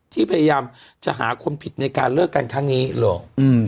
พยายามจะหาคนผิดในการเลิกกันครั้งนี้หรอก